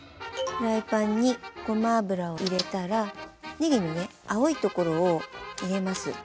フライパンにごま油を入れたらねぎのね青いところを入れます。